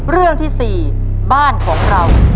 เรื่องที่๔บ้านของเรา